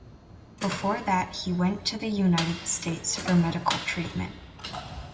Before that he went to the United States for medical treatment.